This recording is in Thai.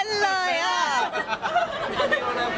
วันต่อไปเป็นกำลังเต็มมาก